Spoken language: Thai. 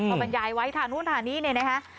เขาบรรยายไว้ทางนู้นฐานนี้เนี่ยนะคะ